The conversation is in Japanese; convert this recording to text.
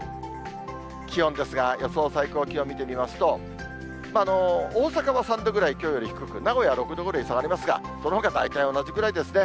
気温ですが、予想最高気温見てみますと、大阪は３度ぐらいきょうより低く、名古屋は６度ぐらい下がりますが、そのほか大体同じぐらいですね。